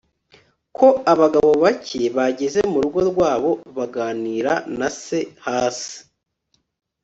ko abagabo bake bageze murugo rwabo, baganira na se hasi